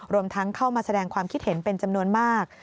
รวมทั้งเข้ามาแสดงความคิดเห็นเป็นจำนวนมาก